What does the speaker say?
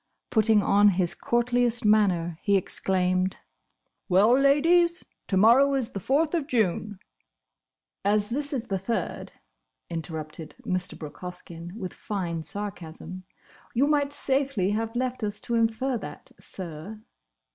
Putting on his courtliest manner, he exclaimed, "Well, Ladies! To morrow is the Fourth of June!" "As this is the Third," interrupted Mr. Brooke Hoskyn, with fine sarcasm, "you might safely have left us to infer that, sir!"